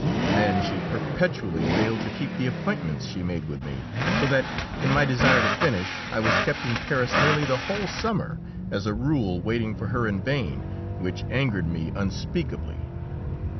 Then she perpetually failed to keep the appointments she made with me, so that, in my desire to finish, I was kept in Paris nearly the whole summer, as a rule waiting for her in vain, which angered me unspeakably.